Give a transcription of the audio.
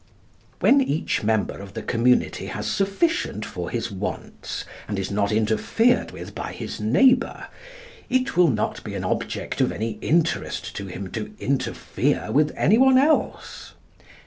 When each member of the community has sufficient for his wants, and is not interfered with by his neighbour, it will not be an object of any interest to him to interfere with anyone else.